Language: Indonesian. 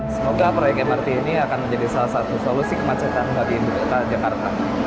semoga proyek mrt ini akan menjadi salah satu solusi kemacetan bagi ibu kota jakarta